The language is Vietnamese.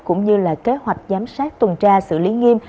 cũng như là kế hoạch giám sát tuần tra xử lý nghiêm